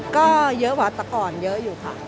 ก็เยอะกว่าแต่ก่อนเยอะอยู่ค่ะ